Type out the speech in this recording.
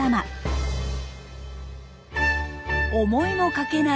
思いもかけない